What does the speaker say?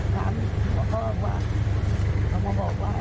ตามพ่อเค้าก็บอกว่า